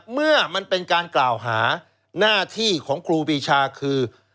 เมื่อมันเป็นการกล่าวหาหน้าที่ของครูปีชาคือ